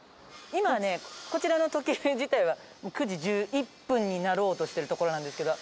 今ねこちらの時計自体は９時１１分になろうとしてるところなんですけど。